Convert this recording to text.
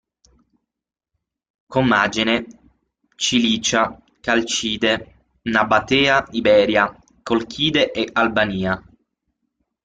Commagene, Cilicia, Calcide, Nabatea, Iberia, Colchide e Albania.